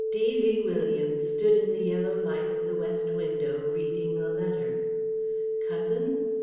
D.V. Williams stood in the yellow light of the west window, reading a letter... "Cousin?